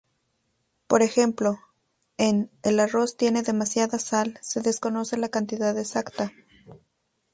Por ejemplo, en "El arroz tiene demasiada sal", se desconoce la cantidad exacta.